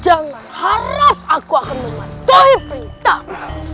jangan harap aku akan mematuhi perintahmu